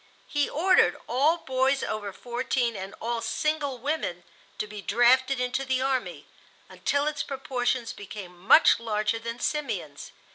He ordered all boys over fourteen and all single women to be drafted into the army, until its proportions became much larger than Simeon's.